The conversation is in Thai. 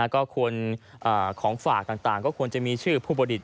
ก็ของฝากต่างก็ควรจะมีชื่อผู้ประดิษฐ